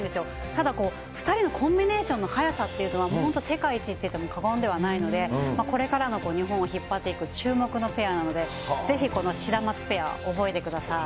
ただ、２人のコンビネーションのはやさっていうのは、もう本当に世界一って言っても過言ではないので、これからの日本を引っ張っていく注目のペアなので、ぜひこのシダマツペア、覚えてください。